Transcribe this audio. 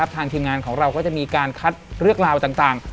ทีมงานของเราก็จะมีการคัดเรื่องราวต่าง